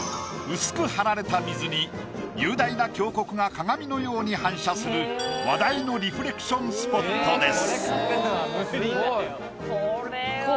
薄く張られた水に雄大な峡谷が鏡のように反射する話題のリフレクションスポットです。